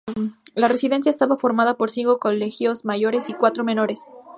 La residencia estaba formada por cinco colegios mayores y cuatro menores.